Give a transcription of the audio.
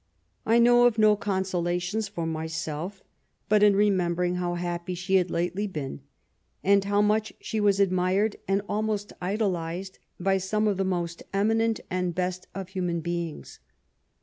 *' I know of no consolations for myself, but in remembering how happy she had lately been, and how much she was admired and almost idolised by some of the most eminent and best of human beings.